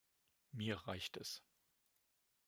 Mir reicht es!